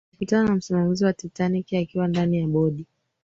alikutana na msimamizi wa titanic akiwa ndani ya bodi